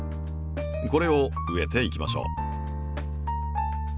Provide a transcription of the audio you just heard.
これを植えていきましょう。